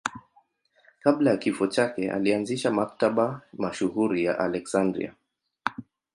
Kabla ya kifo chake alianzisha Maktaba mashuhuri ya Aleksandria.